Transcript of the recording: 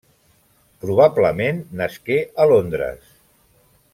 Probablement nasqué a Londres.